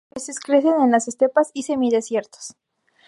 Las especies crecen en las estepas y semidesiertos.